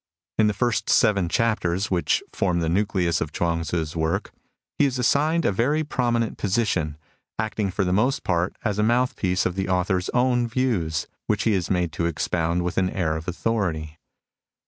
In the first seven chapters, which form the nucleus of Chuang Tzu's work, he is assigned a very pro minent position, acting for the most part as the mouth piece of the author's own views, which he is made to expound with an air of authority.